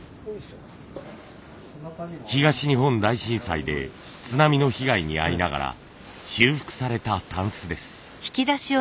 東日本大震災で津波の被害に遭いながら修復された箪笥です。